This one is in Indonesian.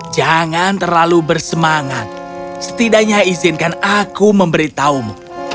jangan terlalu bersemangat setidaknya izinkan aku memberitahumu